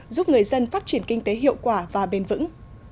giúp người dân phát triển kinh tế hiệu quả và bền vững